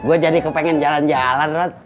gua jadi kepengen jalan jalan rod